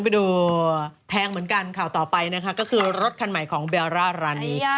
ไปดูแพงเหมือนกันข่าวต่อไปนะคะก็คือรถคันใหม่ของเบลร่าร้านนี้